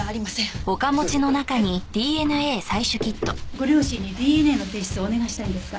ご両親にＤＮＡの提出をお願いしたいんですが。